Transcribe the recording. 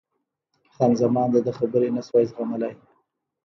خان زمان د ده خبرې نه شوای زغملای.